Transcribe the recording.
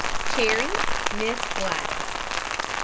CHERRY, MISS GLADYS.